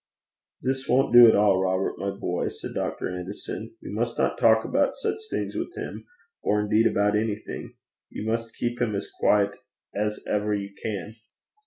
'This won't do at all, Robert, my boy,' said Dr. Anderson. 'You must not talk about such things with him, or indeed about anything. You must keep him as quiet as ever you can.'